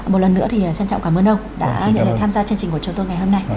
một lần nữa thì trân trọng cảm ơn ông đã nhận lời tham gia chương trình của chúng tôi ngày hôm nay